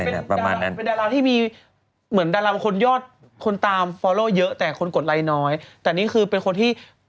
อย่างนี้ไงเหรอเหรอ๙ล้านในมืออีกเวช